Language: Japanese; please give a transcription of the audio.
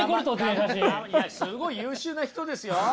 いやすごい優秀な人ですよ。